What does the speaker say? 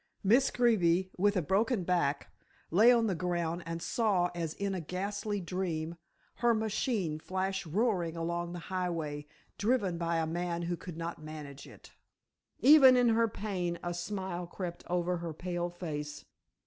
Miss Greeby, with a broken back, lay on the ground and saw as in a ghastly dream her machine flash roaring along the highway driven by a man who could not manage it. Even in her pain a smile crept over her pale face.